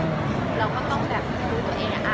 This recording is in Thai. มีโครงการทุกทีใช่ไหม